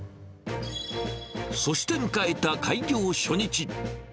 そして迎えた開業初日。